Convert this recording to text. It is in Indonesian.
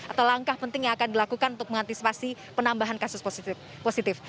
atau langkah penting yang akan dilakukan untuk mengantisipasi penambahan kasus positif